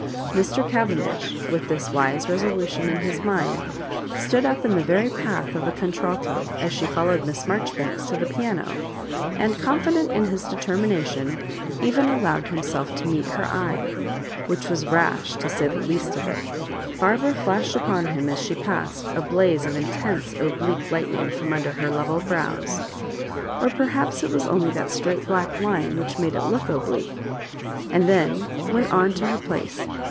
Mr. Cavendish, with this wise resolution in his mind, stood up in the very path of the con tralto as she followed Miss Marjoribanks to the piano, and, confident in his determination, even allowed himself to meet her eye— which was rash, to say the least of it. Barbara flashed upon him as she passed a blaze of intense oblique lightning from under her level brows— or per haps it was only that straight black Ime which made it look oblique — and then went on to her place.